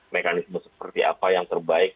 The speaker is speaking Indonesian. mekanisme seperti apa yang terbaik